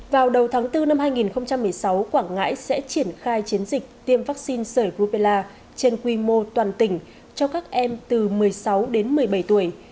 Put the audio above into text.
vào đầu tháng bốn năm hai nghìn một mươi sáu quảng ngãi sẽ triển khai chiến dịch tiêm vaccine sởi rubella trên quy mô toàn tỉnh cho các em từ một mươi sáu đến một mươi bảy tuổi